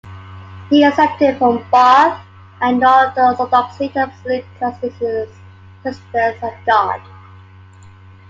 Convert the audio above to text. He accepted from Barth and neo-orthodoxy the absolute transcendence of God.